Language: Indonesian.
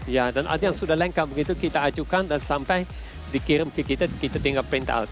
ya dan ada yang sudah lengkap begitu kita ajukan dan sampai dikirim ke kita kita tinggal print out